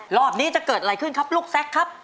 รอบนี้จะเกิดอะไรขึ้นครับลูกแซคครับ